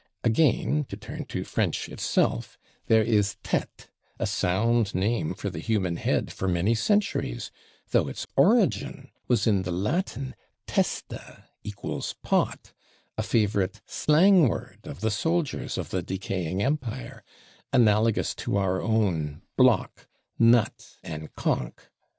Again, to turn to French itself, there is /tête/, a sound name for the human head for many centuries though its origin was in the Latin /testa/ (=/pot/), a favorite slang word of the soldiers of the decaying empire, analogous to our own /block/, /nut/ and /conch